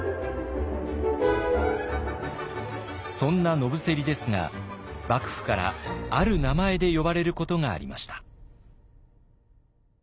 そんな野伏ですが幕府からある名前で呼ばれることがありました。